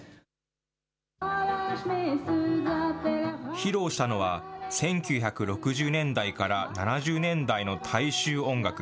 披露したのは、１９６０年代から７０年代の大衆音楽。